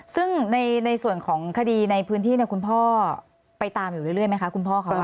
ซึ่งในส่วนของคดีในพื้นที่คุณพ่อไปตามอยู่เรื่อยไหมคะคุณพ่อเขา